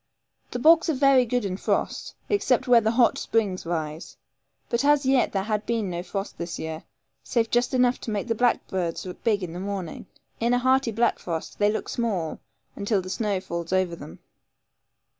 The bogs are very good in frost, except where the hot springs rise; but as yet there had been no frost this year, save just enough to make the blackbirds look big in the morning. In a hearty black frost they look small, until the snow falls over them.